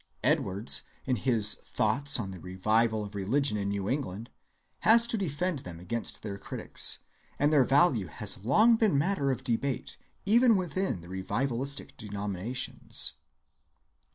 Edwards, in his Thoughts on the Revival of Religion in New England, has to defend them against their critics; and their value has long been matter of debate even within the revivalistic denominations.